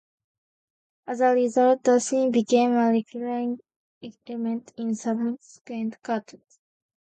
As a result, the scene became a recurring element in subsequent cartoons.